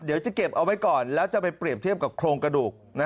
เดี๋ยวจะเก็บเอาไว้ก่อนแล้วจะไปเปรียบเทียบกับโครงกระดูก